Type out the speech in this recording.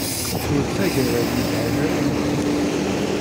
Ur d tagara yelhan ara d-yilin.